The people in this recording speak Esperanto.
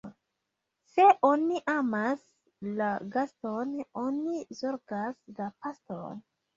Se oni amas la gaston, oni zorgas la paston.